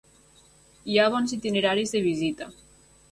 Hi ha bons itineraris de visita.